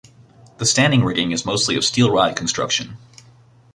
The standing rigging is mostly of steel rod construction.